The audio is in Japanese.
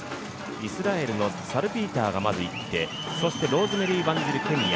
イスラエルのサルピーターがまずいってそしてローズメリー・ワンジル、ケニア。